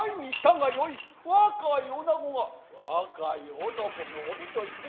若い女子が若い男の帯解いて。